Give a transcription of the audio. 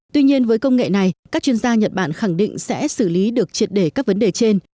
tuy nhiên với công nghệ này các chuyên gia nhật bản khẳng định sẽ xử lý được triệt để các vấn đề trên